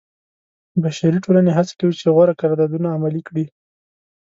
بشري ټولنې هڅه کوي چې غوره قراردادونه عملي کړي.